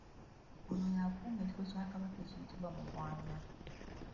Ono y’akuuma ekifo kya Kabaka ekiyitibwa Mugwanya